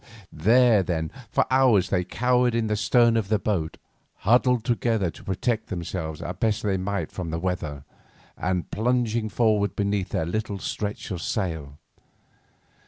There, then, for hours they cowered in the stern of the boat, huddled together to protect themselves as best they might from the weather, and plunging forward beneath their little stretch of sail.